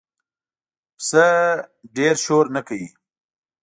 پسه ډېره شور نه کوي.